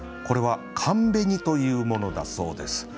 これは寒紅というものだそうです。